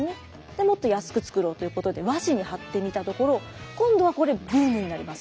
もっと安く作ろうということで和紙に貼ってみたところ今度はこれブームになります。